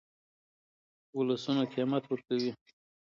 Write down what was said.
ولسونه قیمت ورکوي.